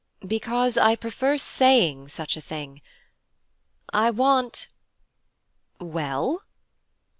'Because I prefer saying such a thing. I want ' 'Well?'